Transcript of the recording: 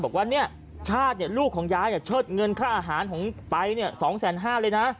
บอกว่าเนี่ยชาติลูกของยายเชิดเงินค่าอาหารของไป๒๕๐๐เลยนะ